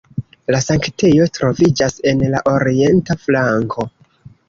La sanktejo troviĝas en la orienta flanko.